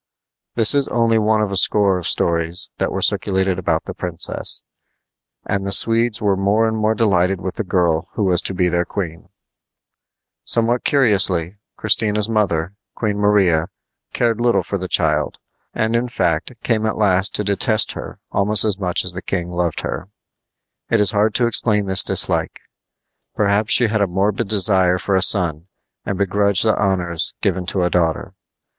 This is only one of a score of stories that were circulated about the princess, and the Swedes were more and more delighted with the girl who was to be their queen. Somewhat curiously, Christina's mother, Queen Maria, cared little for the child, and, in fact, came at last to detest her almost as much as the king loved her. It is hard to explain this dislike. Perhaps she had a morbid desire for a son and begrudged the honors given to a daughter.